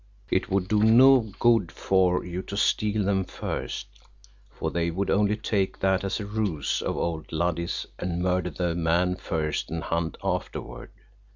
... It would do no good for you to steal them first, for they would only take that as a ruse of old Luddy's, and murder the man first and hunt afterward.